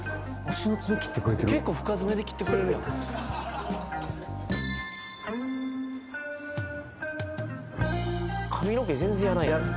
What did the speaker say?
結構深爪で切ってくれるやん髪の毛全然やらんやんいや